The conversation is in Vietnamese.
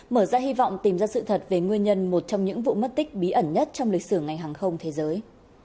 mở ra hy vọng tìm ra sự thật về nguyên nhân một trong những vụ mất tích bí ẩn nhất trong lịch sử ngành hàng không thế giới